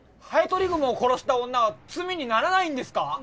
ハエトリグモを殺した女は罪にならないんですか！？